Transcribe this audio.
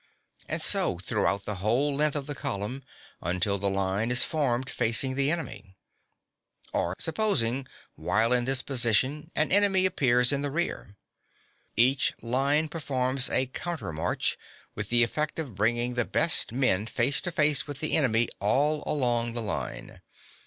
And so throughout the whole length of the column, until the line is formed facing the enemy. Or supposing while in this position an enemy appears in the rear. Each file performs a counter march (17) with the effect of bringing the best men face to face with the enemy all along the line.